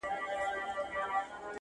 ستا په قسمت کښلې ترانه یمه شرنګېږمه-